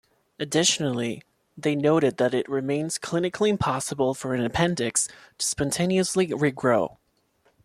Additionally, they noted that it remains clinically impossible for an appendix to spontaneously regrow.